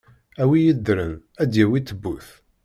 A wi yeddren ad d-yawi ttbut.